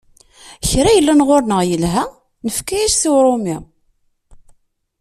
Kra yellan ɣur-neɣ yelha, nefka-as-t i Urumi.